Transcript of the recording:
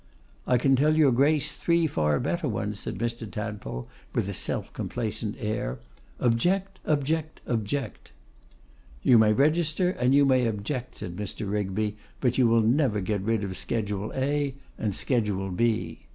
'I can tell your Grace three far better ones,' said Mr. Tadpole, with a self complacent air. 'Object, object, object!' 'You may register, and you may object,' said Mr. Rigby, 'but you will never get rid of Schedule A and Schedule B.